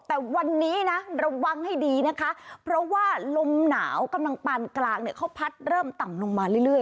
แต่วันนี้นะระวังให้ดีนะคะเพราะว่าลมหนาวกำลังปานกลางเนี่ยเขาพัดเริ่มต่ำลงมาเรื่อย